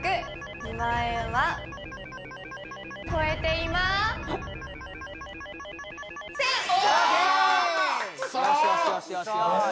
２万円は超えていません！